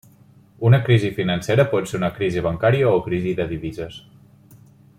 Una crisi financera pot ser una crisi bancària o crisi de divises.